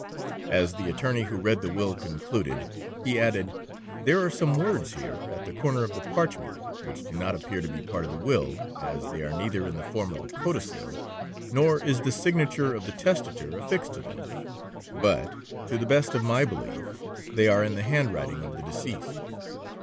As the attorney who read the will concluded, he added, 'There are some words here, at the corner of the parchment, which do not appear to be part of the will, as they are neither in the form of a codicil, nor is the signature of the testator affixed to them; but, to the best of my belief, they are in the hand writing of the deceased.'